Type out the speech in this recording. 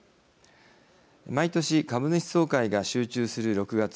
毎年、株主総会が集中する６月。